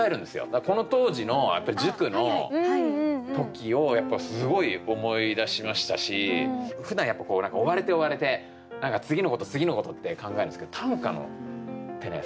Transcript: だからこの当時のやっぱり塾の時をやっぱりすごい思い出しましたしふだんやっぱこう何か追われて追われて何か次のこと次のことって考えるんですけど短歌ってね